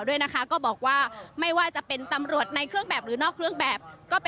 ของสำนักงานตำรวจแห่งชาติกันค่ะ